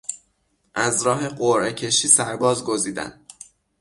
از راه قرعه کشی سرباز گزیدن